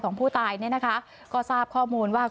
ผู้ตายเนี่ยนะคะก็ทราบข้อมูลว่า